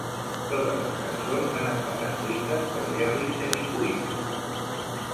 Totes les cançons han estat escrites per Gerritsen i Kooymans.